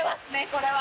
これは。